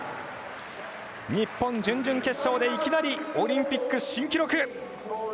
日本、準々決勝でいきなりオリンピック新記録！